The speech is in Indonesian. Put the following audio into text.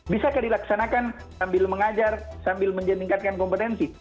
bisakah dilaksanakan sambil mengajar sambil meningkatkan kompetensi